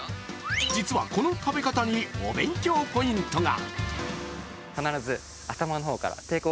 実はこの食べ方にお勉強ポイントが。